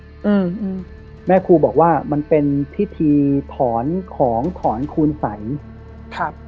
อืมแม่ครูบอกว่ามันเป็นพิธีถอนของถอนคูณใสครับ